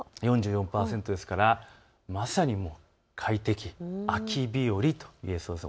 ４４％ですから快適、秋日和といえそうです。